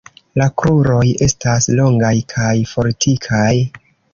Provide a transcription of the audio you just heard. La kruroj estas longaj kaj fortikaj.